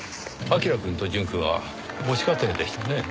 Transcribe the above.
彬くんと淳くんは母子家庭でしたね。